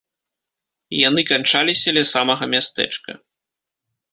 Яны канчаліся ля самага мястэчка.